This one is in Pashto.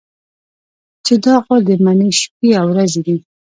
چې دا خو د مني شپې او ورځې دي.